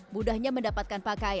mudahnya mendapatkan pakaian